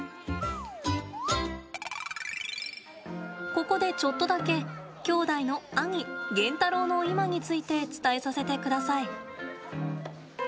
ここでちょっとだけ兄弟の兄、ゲンタロウの今について伝えさせてください。